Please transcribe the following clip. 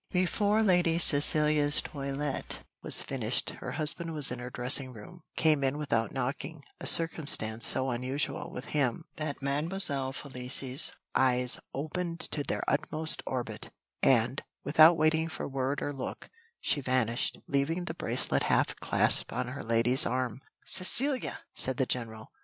Before Lady Cecilia's toilette was finished her husband was in her dressing room; came in without knocking, a circumstance so unusual with him, that Mademoiselle Felicie's eyes opened to their utmost orbit, and, without waiting for word or look, she vanished, leaving the bracelet half clasped on her lady's arm. "Cecilia!" said the general.